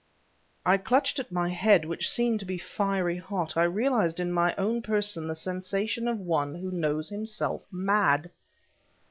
I clutched at my head which seemed to be fiery hot; I realized in my own person the sensation of one who knows himself mad.